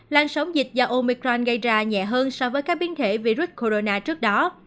lan sóng dịch do omicron gây ra nhẹ hơn so với các biến thể virus corona trước đó